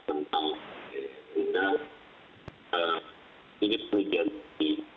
tentang benda ini terjadi di perhatian suksura